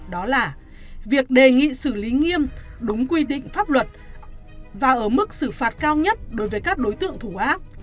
đó là việc đề nghị xử lý nghiêm đúng quy định pháp luật và ở mức xử phạt cao nhất đối với các đối tượng thủ ác